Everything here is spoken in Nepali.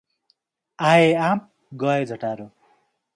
आए आप, गए झटारो।